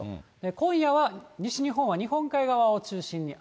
今夜は西日本は日本海側を中心に雨。